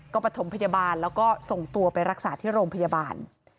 ก็ประถมพยาบาลแล้วก็ส่งตัวไปรักษาที่โรงพยาบาล